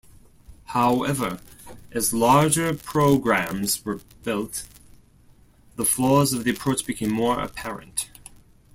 However, as larger programs were built, the flaws of the approach became more apparent.